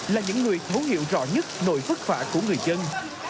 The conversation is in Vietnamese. là những nguyệt vốn hiệu rõ nhất nổi phức phạm của người dân